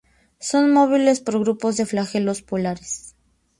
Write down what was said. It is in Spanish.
Son móviles por grupos de flagelos polares.